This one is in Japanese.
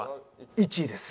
１位です。